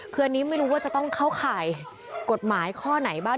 คืออันนี้ไม่รู้ว่าจะต้องเข้าข่ายกฎหมายข้อไหนบ้าง